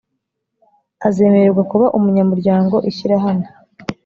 azemererwa kuba umunyamuryango ishyirahamwe